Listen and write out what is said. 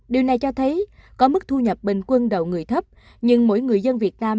điều này cho thấy có mức thu nhập bình quân đầu người thấp nhưng mỗi người dân việt nam